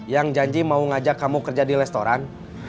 yang janji mau ngajak kamu kerja di restoran